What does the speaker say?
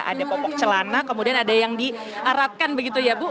ada popok celana kemudian ada yang diaratkan begitu ya bu